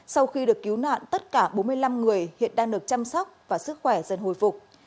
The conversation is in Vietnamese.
sau khi được cứu nạn tất cả bốn mươi năm người hiện đang được chăm sóc và sức khỏe dần hồi phục